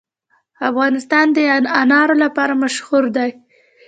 افغانستان د انار لپاره مشهور دی.